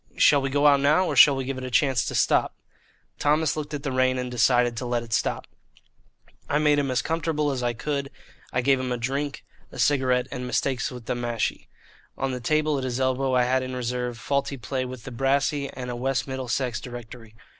Shall we go out now, or shall we give it a chance to stop?" Thomas looked at the rain and decided to let it stop. I made him as comfortable as I could. I gave him a drink, a cigarette, and Mistakes with the Mashie. On the table at his elbow I had in reserve Faulty Play with the Brassy and a West Middlesex Directory.